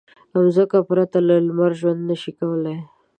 مځکه پرته له لمر ژوند نه شي کولی.